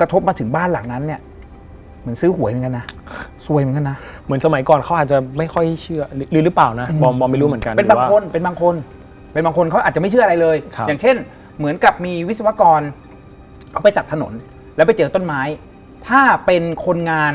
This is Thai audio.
จะเหลือแค่บ้านตัวอย่าง